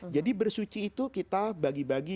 jadi bersuci itu kita bagi bagi